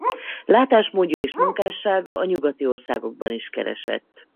Látásmódja és munkássága a nyugati országokban is keresett.